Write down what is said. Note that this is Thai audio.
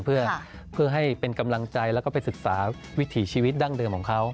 เพื่อให้เป็นกำลังใจแล้วก็ไปศึกษาวิถีชีวิตดั้งเดิมของเขา